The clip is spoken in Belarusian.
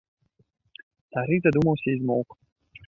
Стары задумаўся і змоўк.